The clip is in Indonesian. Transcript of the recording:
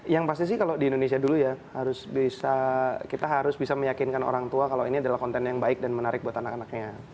yang pasti sih kalau di indonesia dulu ya kita harus bisa meyakinkan orang tua kalau ini adalah konten yang baik dan menarik buat anak anaknya